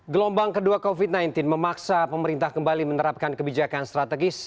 gelombang kedua covid sembilan belas memaksa pemerintah kembali menerapkan kebijakan strategis